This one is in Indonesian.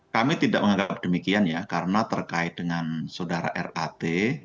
kami tidak menganggap demikian ya karena terkait dengan saudara rat